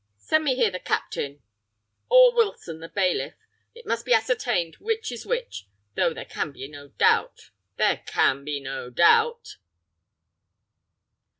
"Send me here the captain , or Wilson the bailiff. It must be ascertained which is which though there can be no doubt there can be no doubt!"